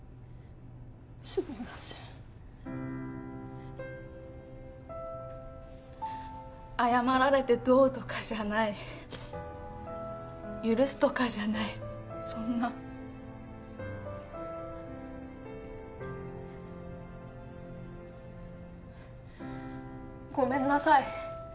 すみません謝られてどうとかじゃない許すとかじゃないそんなごめんなさい